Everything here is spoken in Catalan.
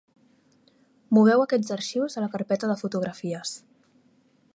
Moveu aquests arxius a la carpeta de fotografies.